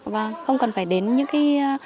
và không cần phải đến những cái